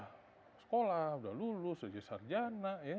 ada yang sudah sekolah sudah lulus sudah jadi sarjana ya